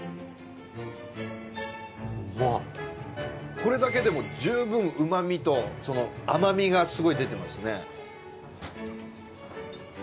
これだけでも十分旨味と甘味がすごい出てますね。